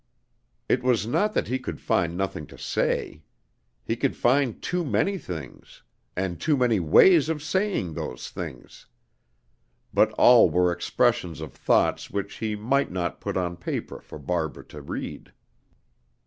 It was not that he could find nothing to say. He could find too many things, and too many ways of saying those things. But all were expressions of thoughts which he might not put on paper for Barbara to read.